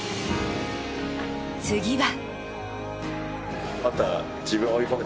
次は。